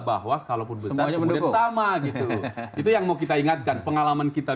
bahwa kalaupun semuanya mendukung sama gitu itu yang mau kita ingatkan pengalaman kita